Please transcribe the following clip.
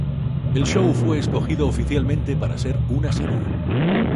El show fue escogido oficialmente para ser una serie.